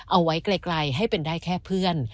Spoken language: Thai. เอาไว้ไกลให้เป็นได้แค่เพื่อน